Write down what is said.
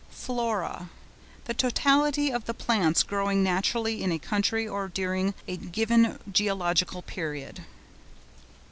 FLORA.—The totality of the plants growing naturally in a country, or during a given geological period.